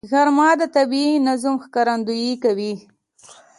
غرمه د طبیعي نظم ښکارندویي کوي